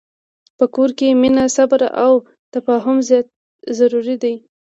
په کور کې مینه، صبر، او تفاهم ضرور دي.